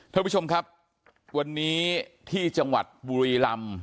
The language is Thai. ท่านผู้ชมครับวันนี้ที่จังหวัดบุรีลำ